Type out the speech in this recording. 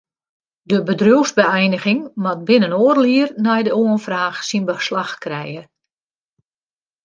De bedriuwsbeëiniging moat binnen oardel jier nei de oanfraach syn beslach krije.